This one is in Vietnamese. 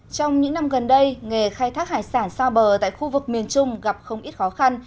trong những năm gần đây nghề khai thác hải sản xa bờ tại khu vực miền trung gặp không ít khó khăn